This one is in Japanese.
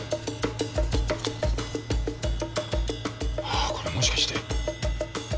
あこれもしかして。